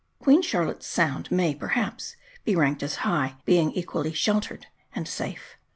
Queen Charlotte's Sound may, perhaps, be ranked as high, being equally sheltered and safe.